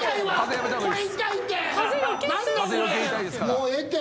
もうええって。